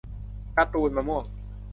การ์ตูนมะม่วง